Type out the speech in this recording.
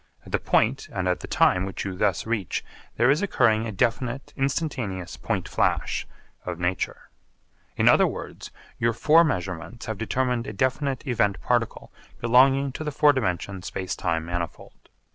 At the point and at the time which you thus reach there is occurring a definite instantaneous point flash of nature. In other words, your four measurements have determined a definite event particle belonging to the four dimension space time manifold.